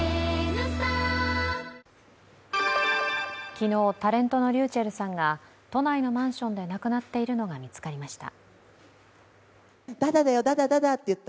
昨日、タレントのｒｙｕｃｈｅｌｌさんが都内のマンションで亡くなっているのが見つかりました。